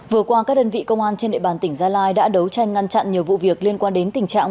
vừa qua các đơn vị công an trên địa bàn tỉnh gia lai đã đấu tranh ngăn chặn nhiều vụ việc liên quan đến tình trạng